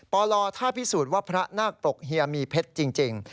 ปลถ้าพิสูจน์ว่าพระนาคปรกเฮียมีเพชรจริง